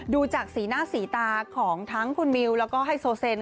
ดูจากสีหน้าสีตาของทั้งคุณมิวแล้วก็ไฮโซเซน